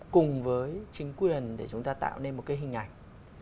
cùng với chính quyền để chúng ta tạo nên một cái hình ảnh